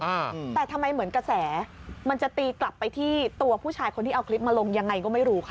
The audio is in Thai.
อ่าแต่ทำไมเหมือนกระแสมันจะตีกลับไปที่ตัวผู้ชายคนที่เอาคลิปมาลงยังไงก็ไม่รู้ค่ะ